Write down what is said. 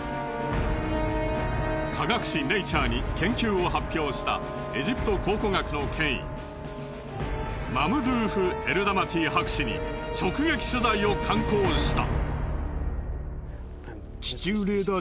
科学誌『ｎａｔｕｒｅ』に研究を発表したエジプト考古学の権威マムドゥーフ・エルダマティ博士に直撃取材を慣行した。